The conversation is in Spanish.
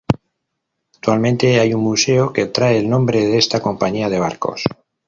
Actualmente hay un museo que trae el nombre de esta compañía de barcos.